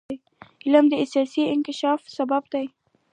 علم د ساینسي انکشاف سبب دی.